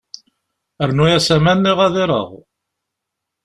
Rnu-as aman neɣ ad ireɣ.